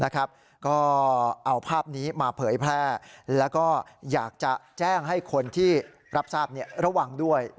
ก็เอาภาพนี้มาเผยแพร่แล้วก็อยากจะแจ้งให้คนที่รับทราบระวังด้วย